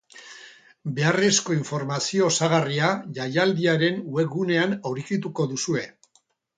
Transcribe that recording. Beharrezko informazio osagarria jaialdiaren webgunean aurkituko duzue.